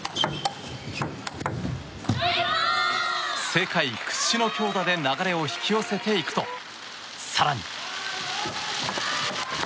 世界屈指の強打で流れを引き寄せていくと更に。